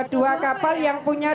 dua kapal yang punya